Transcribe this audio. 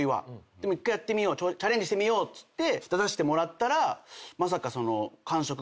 でも１回チャレンジしてみようっつって出させてもらったらまさか。